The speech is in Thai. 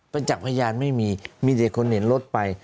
ประจักษ์พยานไม่มีมีเดี๋ยวคนเห็นรถไป